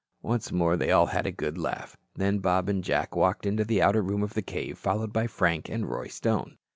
Once more they all had a good laugh. Then Bob and Jack walked into the outer room of the cave, followed by Frank and Roy Stone.